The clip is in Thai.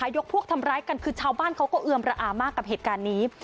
ยกพวกทำร้ายกันคือชาวบ้านเขาก็เอือมระอามากกับเหตุการณ์นี้